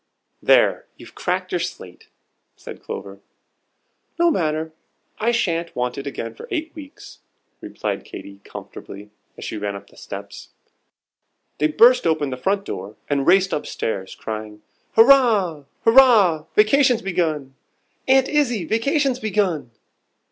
"There, you've cracked your slate," said Clover. "No matter, I sha'n't want it again for eight weeks," replied Katy, comfortably, as they ran up the steps. They burst open the front door and raced up stairs, crying "Hurrah! hurrah! vacation's begun. Aunt Izzie, vacation's begun!"